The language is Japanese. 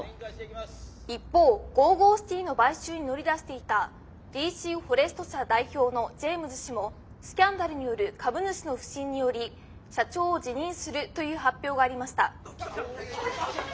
「一方ＧＯＧＯＣＩＴＹの買収に乗り出していたＤＣフォレスト社代表のジェームズ氏もスキャンダルによる株主の不信により社長を辞任するという発表がありました」。